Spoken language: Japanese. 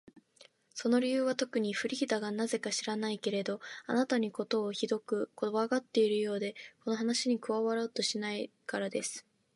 その理由はとくに、フリーダがなぜか知らないけれど、あなたのことをひどくこわがっているようで、この話に加わろうとしないからです。